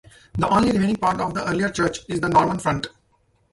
The only remaining part of the earlier church is the Norman font.